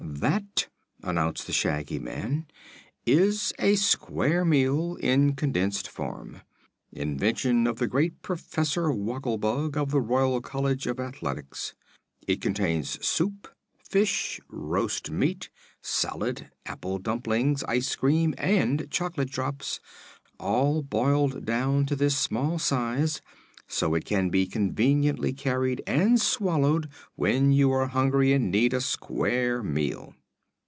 "That," announced the Shaggy Man, "is a square meal, in condensed form. Invention of the great Professor Woggle Bug, of the Royal College of Athletics. It contains soup, fish, roast meat, salad, apple dumplings, ice cream and chocolate drops, all boiled down to this small size, so it can be conveniently carried and swallowed when you are hungry and need a square meal."